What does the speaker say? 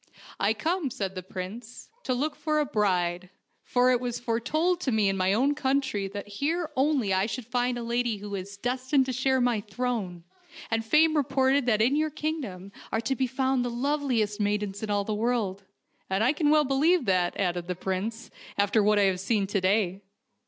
I come," said the prince, " to look for a bride, for it was foretold to me in my own country that here only I should find the lady who is destined to share my throne, and fame reported that in your kingdom are to be found the loveliest maid 120 FAIRY TALES ens in all the world, and I can well believe that," added the prince, " after what I have seen to day."